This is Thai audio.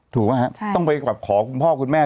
ถูกไหมฮะต้องไปแบบขอคุณพ่อคุณแม่